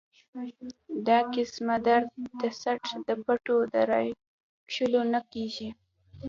دا قسمه درد د څټ د پټو د راښکلو نه کيږي